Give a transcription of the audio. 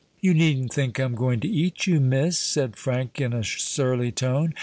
"You needn't think I'm going to eat you, Miss," said Frank in a surly tone.